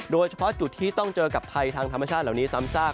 โดยเฉพาะจุดที่ต้องเจอกับภัยทางธรรมชาติเหล่านี้ซ้ำซาก